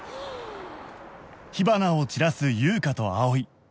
火花を散らす優香と葵